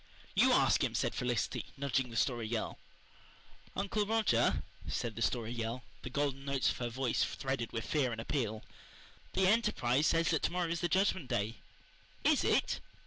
"You ask him," said Felicity, nudging the Story Girl. "Uncle Roger," said the Story Girl, the golden notes of her voice threaded with fear and appeal, "the Enterprise says that to morrow is the Judgment Day? IS it?